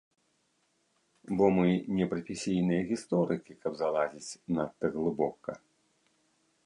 Бо мы не прафесійныя гісторыкі, каб залазіць надта глыбока.